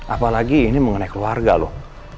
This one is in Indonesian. apalagi ini mengenai keluarga loh